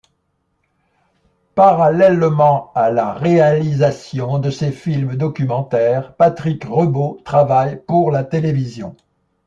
Parallèlement à la réalisation de ses films documentaires, Patrick Rebeaud travaille pour la télévision.